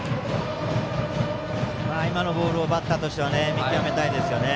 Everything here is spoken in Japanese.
今のボールをバッターとしては見極めたいですよね。